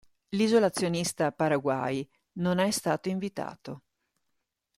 L'isolazionista Paraguay non è stato invitato.